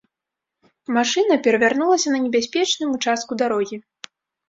Машына перавярнулася на небяспечным участку дарогі.